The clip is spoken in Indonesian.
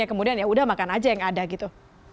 kemudian ya udah makan aja yang ada gitu